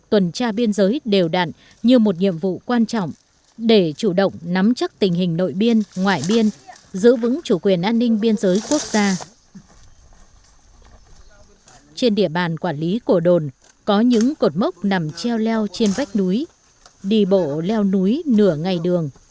trên địa bàn quản lý cổ đồn có những cột mốc nằm treo leo trên vách núi đi bộ leo núi nửa ngày đường